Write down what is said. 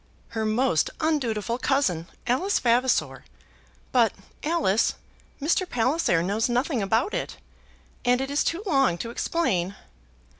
"Her most undutiful cousin, Alice Vavasor. But, Alice, Mr. Palliser knows nothing about it, and it is too long to explain."